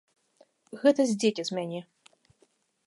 Гэта здзекі з мяне.